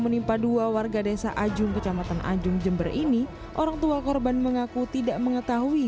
menimpa dua warga desa ajung kecamatan ajung jember ini orang tua korban mengaku tidak mengetahui